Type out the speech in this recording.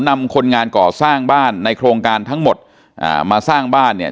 นำคนงานก่อสร้างบ้านในโครงการทั้งหมดอ่ามาสร้างบ้านเนี่ย